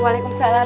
terima kasih ya